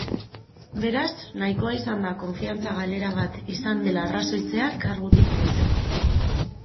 Beraz, nahikoa izan da konfiantza galera bat izan dela arrazoitzea kargutik kentzeko.